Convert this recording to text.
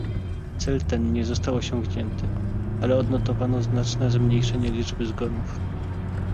Cel ten nie został osiągnięty, ale odnotowano znaczne zmniejszenie liczby zgonów